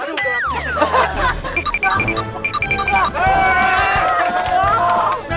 aduh udah udah